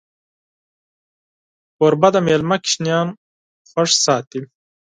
کوربه د میلمه ماشومان خوښ ساتي.